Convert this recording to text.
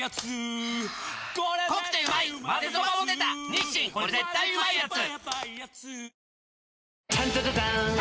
「日清これ絶対うまいやつ」